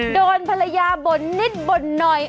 โดนภรรยาบ่นนิดบ่นหน่อย